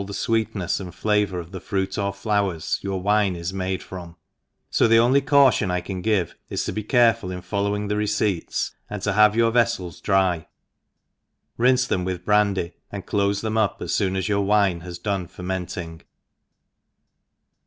the fweetnefs and flavour of the fruit or flowers your wine is made from, fo the only caution I can give, is to be careful in following the re ceipts, and to have ^our vefTels dry, rinfe them with brandy, and clofe them up as foon as your wine has done fermenting* , T!